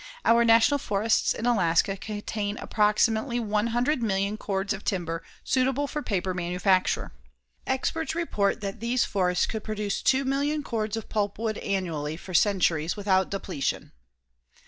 Our National Forests in Alaska contain approximately 100,000,000 cords of timber suitable for paper manufacture. Experts report that these forests could produce 2,000,000 cords of pulpwood annually for centuries without depletion.